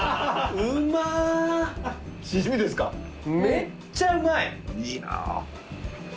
めっちゃうまい。いいな。